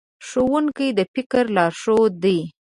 ښوونکي د فکر لارښود دي.